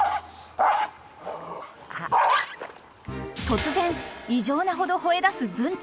［突然異常なほど吠えだす文太］